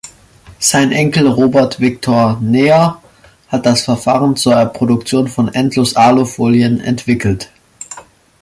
Sein Enkel Robert Victor Neher hat das Verfahren zur Produktion von Endlos-Alufolien entwickelt.